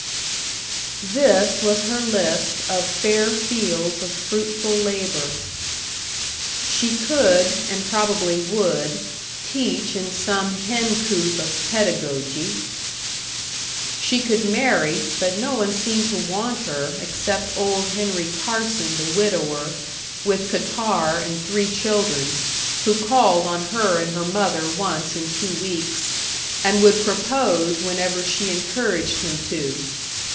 This was her list of fair fields of fruitful labor: She could and probably would teach in some hen coop of pedagogy. She could marry, but no one seemed to want her, except old Henry Carson, the widower, with catarrh and three children, who called on her and her mother once in two weeks, and would propose whenever she encouraged him to.